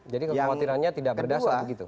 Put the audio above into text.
jadi kekhawatirannya tidak berdasar begitu